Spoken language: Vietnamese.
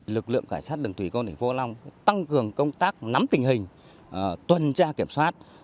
lực lượng cảnh sát đường thủy công thành phố long tăng cường công tác nắm tình hình tuần tra kiểm soát